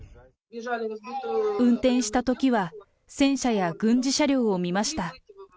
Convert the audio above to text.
運転したときは、戦車や軍事車両を見ました。